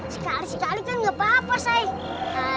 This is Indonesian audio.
sekali sekali kan nggak apa apa saya